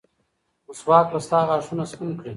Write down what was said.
مسواک به ستا غاښونه سپین کړي.